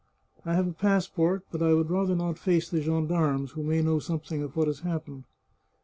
I have a passport, but I would rather not face the gendarmes, who may know something of what has happened."